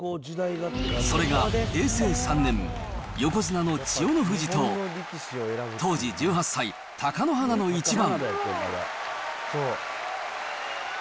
それが、平成３年、横綱の千代の富士と、当時１８歳、貴乃花の一番。